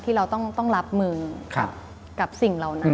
เราต้องรับมือกับสิ่งเหล่านั้น